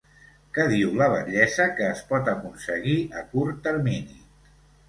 Què diu la batllessa que es pot aconseguir a curt termini?